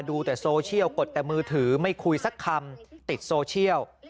ดูแต่โซเชียลกดแต่มือถือไม่คุยสักคำติดโซเชียล